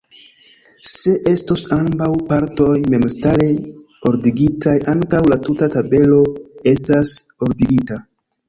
Se estos ambaŭ partoj memstare ordigitaj, ankaŭ la tuta tabelo estas ordigita.